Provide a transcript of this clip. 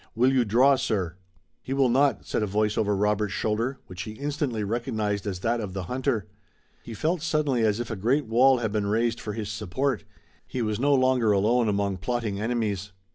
Will you draw, sir?" "He will not," said a voice over Robert's shoulder, which he instantly recognized as that of the hunter. He felt suddenly as if a great wall had been raised for his support. He was no longer alone among plotting enemies.